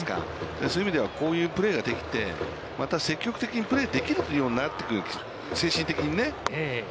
そういう意味ではこういうプレーができて、また積極的にプレーができるようになってくる、精神的にね。